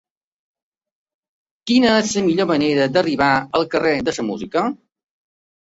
Quina és la millor manera d'arribar al carrer de la Música?